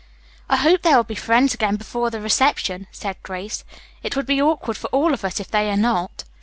"I hope they will be friends again before the reception," said Grace. "It would be awkward for all of us if they are not."